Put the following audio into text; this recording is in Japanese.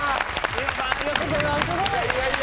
ニノさんありがとうございます！